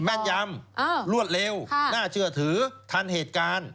แม่นยำรวดเร็วน่าเชื่อถือทันเหตุการณ์